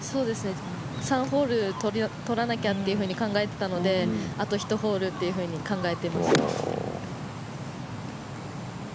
３ホール取らなきゃって考えてたのであと１ホールって考えてました。